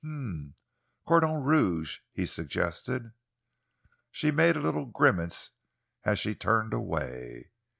"Mum cordon rouge?" he suggested. She made a little grimace as she turned away.